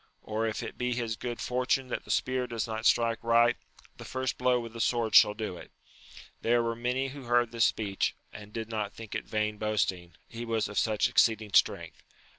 or if it be his good fortune that the spear does not strike right, the first blow with the sword shall do it. There were many who heard this speech, and did not think it vain boasting, he was of such exceeding strength.